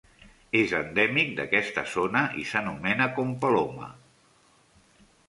És endèmic d'aquesta zona i s'anomena Kompelloma.